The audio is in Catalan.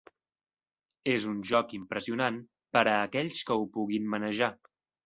És un joc impressionant per a aquells que ho puguin manejar.